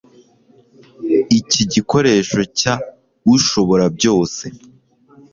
iki gikoresho cya ushoborabyose